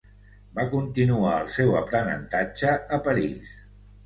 Va continuar el seu aprenentatge a París.